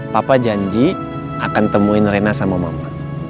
papa janji akan temuin rena sama mama